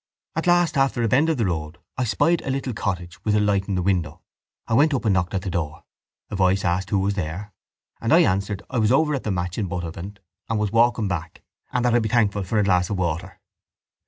At last, after a bend of the road, I spied a little cottage with a light in the window. I went up and knocked at the door. A voice asked who was there and I answered I was over at the match in Buttevant and was walking back and that I'd be thankful for a glass of water.